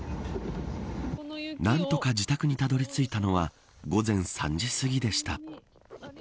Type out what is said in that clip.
何とか自宅にたどり着いたのは午前３時すぎでした。